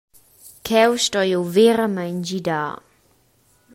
Cheu stoi jeu veramein gidar!